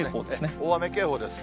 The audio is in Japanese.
大雨警報ですね。